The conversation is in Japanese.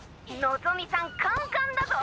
望さんカンカンだぞ！